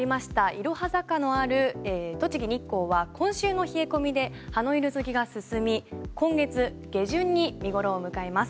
いろは坂のある栃木・日光は今週の冷え込みで葉の色付きが進み今月下旬に見ごろを迎えます。